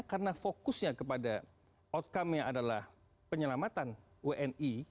karena fokusnya kepada outcome yang adalah penyelamatan wni